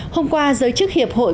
hôm qua giới chức hiệp hội